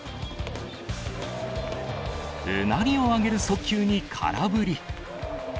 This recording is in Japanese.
うなりを上げる速球に空振り。